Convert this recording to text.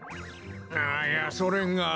いやそれが。